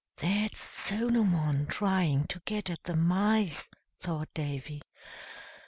"That's Solomon, trying to get at the mice," thought Davy.